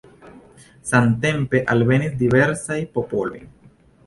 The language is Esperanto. Samtempe alvenis diversaj popoloj.